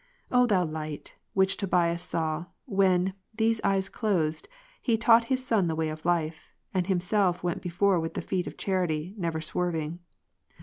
52. O Thou Light, which Tobias saw, when, these eyes Tob. 4. closed, he taught his son the way of life ; and himself went before with the feet of charity, never swerving.